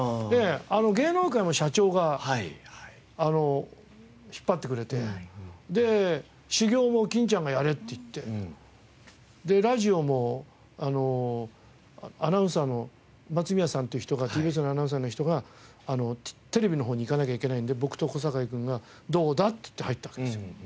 芸能界も社長が引っ張ってくれてで修業も欽ちゃんがやれって言ってでラジオもアナウンサーの松宮さんっていう人がＴＢＳのアナウンサーの人がテレビの方に行かなきゃいけないので僕と小堺君が「どうだ？」っつって入ったわけですよ。